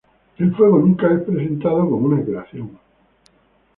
El fuego nunca es presentado como una creación.